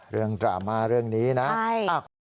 เรื่องดรามาเรื่องนี้นะคุณผู้ชมนะครับคุณผู้ชมนะครับคุณผู้ชมนะครับ